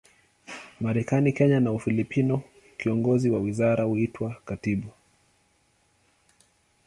Marekani, Kenya na Ufilipino, kiongozi wa wizara huitwa katibu.